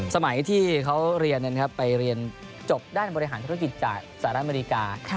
สมัยที่เขาเรียนไปเรียนจบด้านบริหารธุรกิจจากสหรัฐอเมริกา